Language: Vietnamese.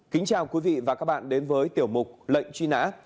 kính chào quý vị và các bạn đến với tiểu mục lệnh truy nã